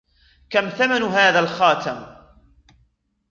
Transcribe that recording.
كم ثمن هذا الخاتم؟